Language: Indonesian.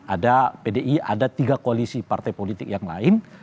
ada pdi ada tiga koalisi partai politik yang lain